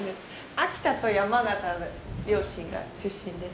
秋田と山形の両親が出身です。